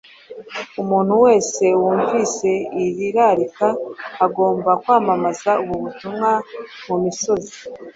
Umuntu wese wumvise iri rarika agomba kwamamaza ubu butumwa mu misozi